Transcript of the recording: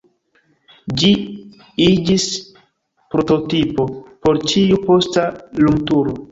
Ĝi iĝis prototipo por ĉiu posta lumturo.